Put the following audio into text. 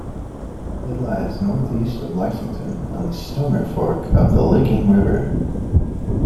It lies northeast of Lexington on the Stoner Fork of the Licking River.